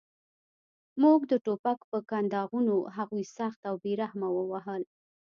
موږ د ټوپک په کنداغونو هغوی سخت او بې رحمه ووهل